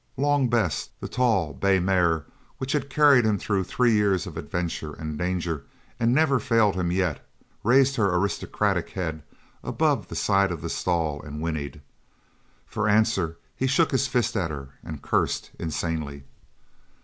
Long Bess, the tall, bay mare which had carried him through three years of adventure and danger and never failed him yet, raised her aristocratic head above the side of the stall and whinnied. For answer he shook his fist at her and cursed insanely.